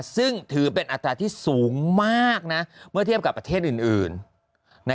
ซึ่งถือเป็นอัตราที่สูงมากเมื่อเทียบกับประเทศอื่น